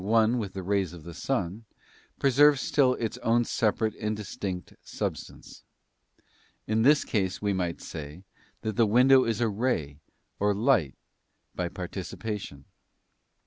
one with the rays of the sun, preserves still its own separate and distinct substance. In this case we might say that the window isa ray or light by participation.